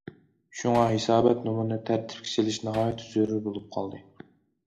شۇڭا ھېسابات نومۇرىنى تەرتىپكە سېلىش ناھايىتى زۆرۈر بولۇپ قالدى.